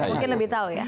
mungkin lebih tahu ya